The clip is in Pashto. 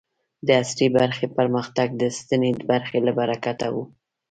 د عصري برخې پرمختګ د سنتي برخې له برکته و.